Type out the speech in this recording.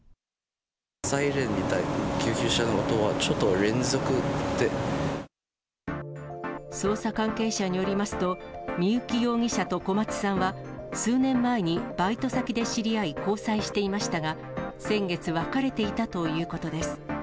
サイレンみたいな、捜査関係者によりますと、三幸容疑者と小松さんは、数年前にバイト先で知り合い、交際していましたが、先月別れていたということです。